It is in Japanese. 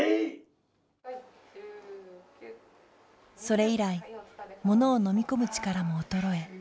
それ以来ものを飲み込む力も衰え